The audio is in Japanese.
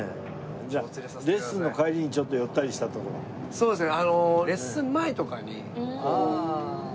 そうですね。